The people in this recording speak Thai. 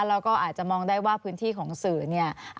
แล้วก็อาจจะมองได้ว่าพื้นที่ของสื่อเนี่ย